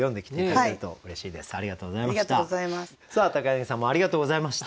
柳さんもありがとうございました。